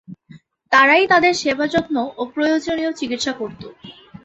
তারাই তাদের সেবা যত্ন ও প্রয়োজনীয় চিকিৎসা করত।